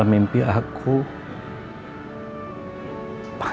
udah udah helena